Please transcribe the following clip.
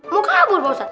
mau kabur pak ustadz